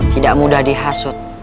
tidak mudah dihasut